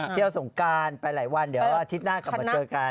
สงการไปหลายวันเดี๋ยวอาทิตย์หน้ากลับมาเจอกัน